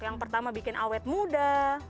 yang pertama bikin awet muda